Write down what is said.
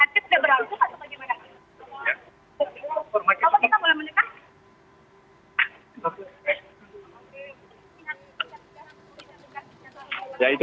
tidak beranggup atau bagaimana